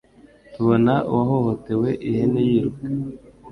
tubona uwahohotewe ihene yiruka